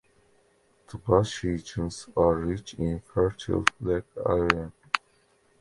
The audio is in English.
The bush regions are rich in fertile black loam.